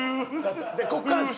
でここからです。